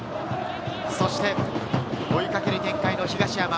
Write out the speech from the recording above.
そして追いかける展開の東山。